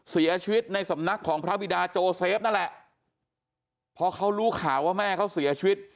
เสียชีวิตในสำนักของพระบิดาโจเซฟนั่นแหละพอเขารู้ข่าวว่าแม่เขาเสียชีวิต